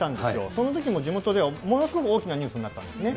そのときも地元では、ものすごく大きなニュースになったんですね。